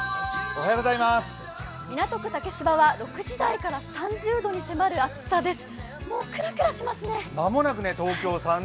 港区竹芝は６時台から３０度に迫る暑さです。